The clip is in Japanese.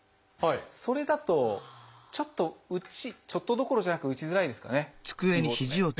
それだとちょっとちょっとどころじゃなく打ちづらいですかねキーボード。